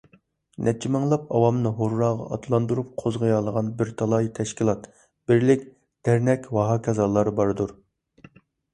نەچچە مىڭلاپ ئاۋامنى ھۇرراغا ئاتلاندۇرۇپ قوزغىيالىغان بىر تالاي تەشكىلات، بىرلىك، دەرنەك ۋەھاكازالار باردۇر.